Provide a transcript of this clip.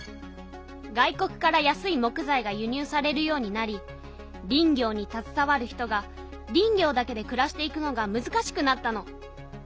外国から安い木材がゆ入されるようになり林業にたずさわる人が林業だけでくらしていくのがむずかしくなったの。